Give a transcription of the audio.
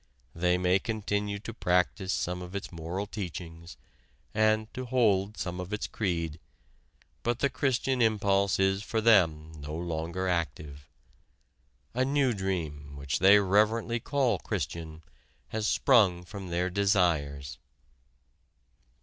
They may continue to practice some of its moral teachings and hold to some of its creed, but the Christian impulse is for them no longer active. A new dream, which they reverently call Christian, has sprung from their desires.